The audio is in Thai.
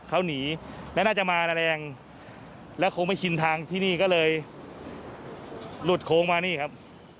เขาหนีและน่าจะมาแรงแล้วคงไม่ชินทางที่นี่ก็เลยหลุดโค้งมานี่ครับ